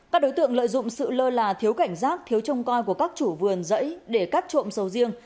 các đối tượng lợi dụng sự lơ là thiếu cảnh giác thiếu trông coi của các chủ vườn dẫy để cắt trộm sầu riêng